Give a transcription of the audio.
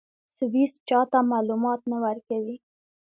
سویس چا ته معلومات نه ورکوي.